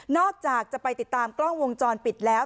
จะไปติดตามกล้องวงจรปิดแล้ว